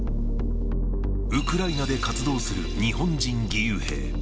ウクライナで活動する日本人義勇兵。